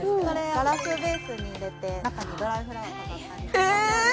ガラスベースに入れて中にドライフラワーを飾ったりだとかえー！